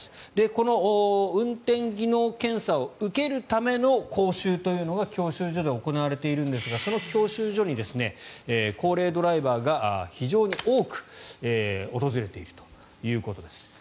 この運転技能検査を受けるための講習というのが教習所で行われているんですがその教習所に高齢ドライバーが非常に多く訪れているということです。